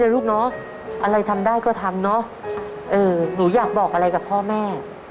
ลูกเนอะอะไรทำได้ก็ทำเนอะเออหนูอยากบอกอะไรกับพ่อแม่